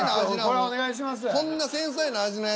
これはお願いします。